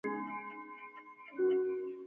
سپین پوستو ته یې په ټاکنو کې د ګډون حق ورکړ.